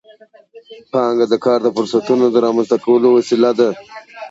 پانګه د کار د فرصتونو د رامنځته کولو وسيله ده.